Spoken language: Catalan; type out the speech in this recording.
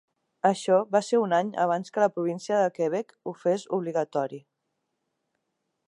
Això va ser un any abans que la província de Quebec ho fes obligatori.